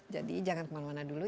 jadi jangan kemana mana dulu